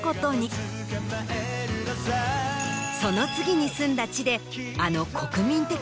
その次に住んだ地であの。